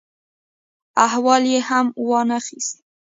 احوال یې هم وا نه خیست.